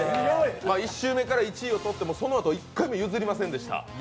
１周目から１位をとったあとそのあと１回も譲りませんでした。